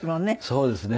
そうですね。